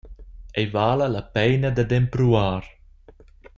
Ei vala la peina dad empruar.